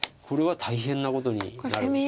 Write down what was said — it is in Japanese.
これは大変なことになる。